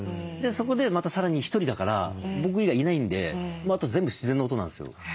そこでまたさらにひとりだから僕以外いないんであと全部自然の音なんですよ。